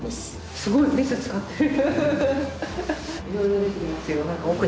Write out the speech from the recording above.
すごいメス使ってる。